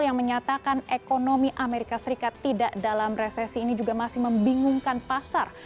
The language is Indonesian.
yang menyatakan ekonomi amerika serikat tidak dalam resesi ini juga masih membingungkan pasar